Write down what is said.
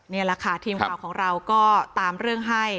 นี่แหละค่ะทีมข่าวของเราก็ตามเรื่องให้